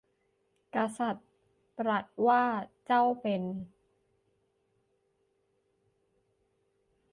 กษัตริย์ตรัสว่า เจ้าเป็น